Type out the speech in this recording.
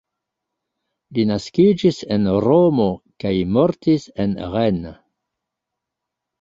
Li naskiĝis en Romo kaj mortis en Rennes.